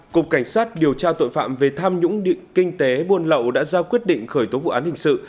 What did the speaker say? cục cảnh sát điều tra tội phạm về tham nhũng kinh tế buôn lậu đã ra quyết định khởi tố vụ án hình sự